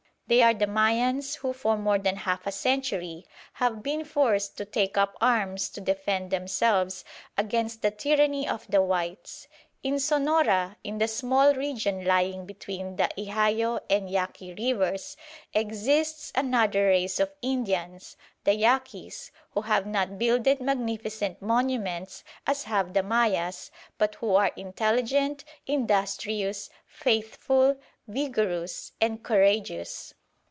They are the Mayans, who for more than half a century have been forced to take up arms to defend themselves against the tyranny of the whites. In Sonora, in the small region lying between the Ihayo and Yaqui rivers, exists another race of Indians, the Yaquis, who have not builded magnificent monuments as have the Mayas, but who are intelligent, industrious, faithful, vigorous, and courageous.